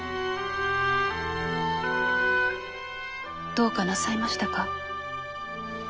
どうかなさいましたか？